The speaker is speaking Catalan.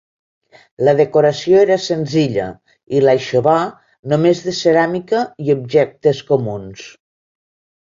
La decoració era senzilla, i l'aixovar només de ceràmica i objectes comuns.